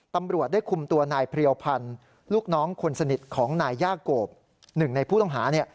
ตำรวจได้คุมตัวนายเพรียวพันธ์ลูกน้องคนสนิทของนายย่าโกบหนึ่งในผู้ต้องหา